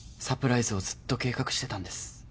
サプライズをずっと計画してたんです